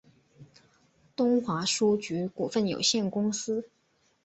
东华书局股份有限公司